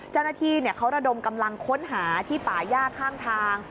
เจ้าหน้าที่เขาระดมกำลังค้นหาที่ป่าย่าข้างทาง